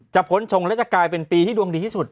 พ้นชงและจะกลายเป็นปีที่ดวงดีที่สุด